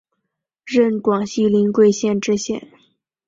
任广西临桂县知县。